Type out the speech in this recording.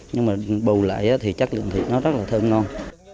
nhưng mà bù lại thì chất lượng thịt nó rất là thơm ngon